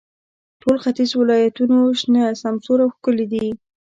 ټول ختیځ ولایتونو شنه، سمسور او ښکلي دي.